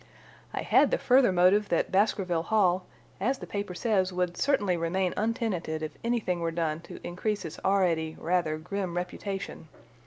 I had the further motive that Baskerville Hall, as the paper says, would certainly remain untenanted if anything were done to increase its already rather grim reputation.